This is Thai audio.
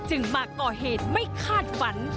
มาก่อเหตุไม่คาดฝัน